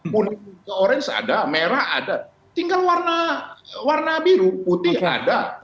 pun orange ada merah ada tinggal warna biru putih ada